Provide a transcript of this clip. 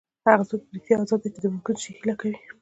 هغه څوک په رښتیا ازاد دی چې د ممکن شي هیله کوي.